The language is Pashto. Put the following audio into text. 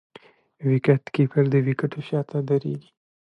وکيټ کیپر د وکيټو شاته درېږي.